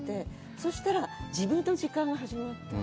そしたら、自分の時間が始まった。